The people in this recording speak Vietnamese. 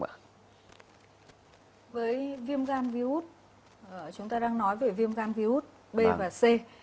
với viêm gan viếu út chúng ta đang nói về viêm gan viếu út b và c